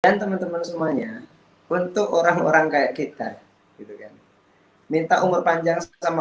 hai teman teman semuanya untuk orang orang kayak kita gitu kan minta umur panjang sama